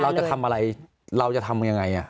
เราจะทำอะไรเราจะทำยังไง